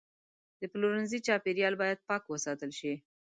د پلورنځي چاپیریال باید پاک وساتل شي.